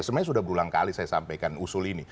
sebenarnya sudah berulang kali saya sampaikan usul ini